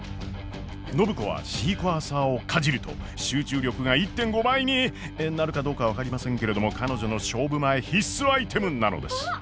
暢子はシークワーサーをかじると集中力が１．５倍になるかどうかは分かりませんけれども彼女の勝負前必須アイテムなのです。